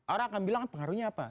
orang akan bilang pengaruhnya apa